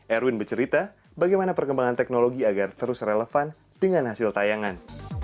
erwin bercerita bagaimana perkembangan teknologi agar terus relevan dengan hasil tayangan